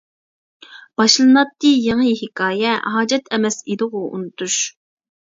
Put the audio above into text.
باشلىناتتى يېڭى ھېكايە، ھاجەت ئەمەس ئىدىغۇ ئۇنتۇش.